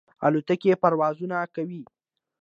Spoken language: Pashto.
الوتکې پروازونه کوي.